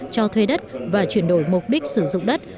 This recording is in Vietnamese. cho thuê đất và chuyển đổi mục đích sử dụng đất